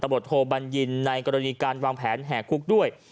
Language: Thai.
บทโทบัญญินในกรณีการวางแผนแห่คุกด้วย